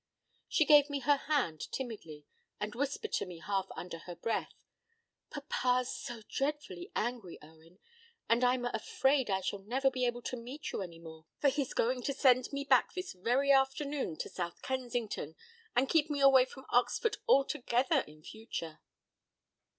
She gave me her hand timidly, and whispered to me half under her breath, "Papa's so dreadfully angry, Owen, and I'm afraid I shall never be able to meet you any more, for he's going to send me back this very afternoon to South Kensington, and keep me away from Oxford altogether in future."